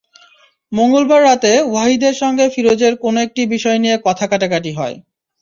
মঙ্গলবার রাতে ওয়াহিদের সঙ্গে ফিরোজের কোনো একটি বিষয় নিয়ে কথা-কাটাকাটি হয়।